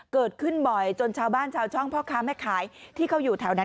เกิดขึ้นบ่อยจนชาวบ้านชาวช่องพ่อค้าแม่ขายที่เขาอยู่แถวนั้น